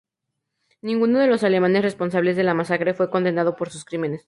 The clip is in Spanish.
Ninguno de los alemanes responsables de la masacre fue condenado por sus crímenes.